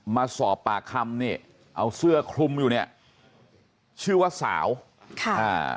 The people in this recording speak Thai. มาสอบปากคำนี่เอาเสื้อคลุมอยู่เนี่ยชื่อว่าสาวค่ะอ่า